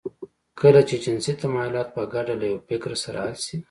کله چې جنسي تمايلات په ګډه له يوه فکر سره حل شي.